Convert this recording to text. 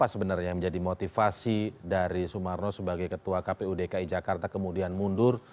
apa sebenarnya yang menjadi motivasi dari sumarno sebagai ketua kpu dki jakarta kemudian mundur